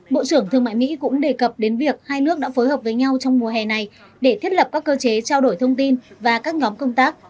bộ trưởng thương mại mỹ cũng đề cập đến việc hai nước đã phối hợp với nhau trong mùa hè này để thiết lập các cơ chế trao đổi thông tin và các nhóm công tác